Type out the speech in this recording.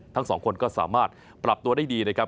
ทั้งสองคนก็สามารถปรับตัวได้ดีนะครับ